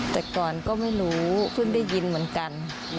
แต่ก่อนก็ไม่รู้เพิ่งได้ยินเหมือนกัน